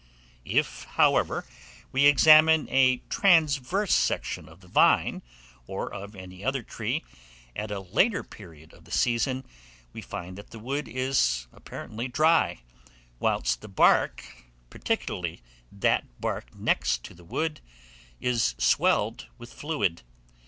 If, however, we examine a transverse section of the vine, or of any other tree, at a later period of the season, we find that the wood is apparently dry, whilst the bark, particularly that part next the wood, is swelled with fluid.